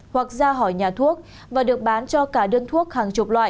hoặc ra khỏi nhà thuốc và được bán cho cả đơn thuốc hàng chục loại